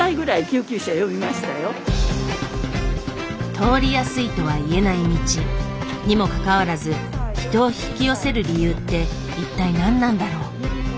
通りやすいとはいえない道。にもかかわらず人を引き寄せる理由って一体何なんだろう？